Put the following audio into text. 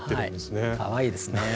かわいいですね。